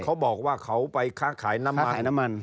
เขาบอกว่าเขาไปค้าขายน้ำมัน